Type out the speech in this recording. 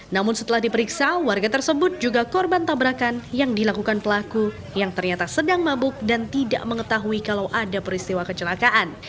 namun setelah diperiksa warga tersebut juga korban tabrakan yang dilakukan pelaku yang ternyata sedang mabuk dan tidak mengetahui kalau ada peristiwa kecelakaan